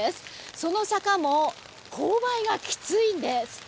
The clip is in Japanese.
その坂も勾配がきついんです。